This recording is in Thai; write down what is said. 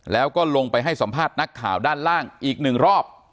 แล้วก็ลงไปให้สัมภาษณ์นักข่าวด้านล่างอีกหนึ่งรอบ